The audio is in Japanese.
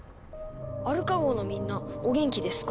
「アルカ号のみんなお元気ですか？